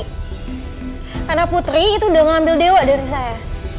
karena putri itu udah ngambil dewa dari saya